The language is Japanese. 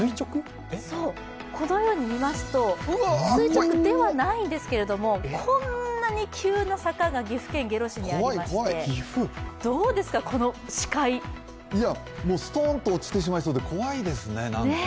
このように見ますと垂直ではないんですけど、こんなに急な坂が岐阜県下呂市にありまして、もうストーンと落ちてしまいそうで怖いですね。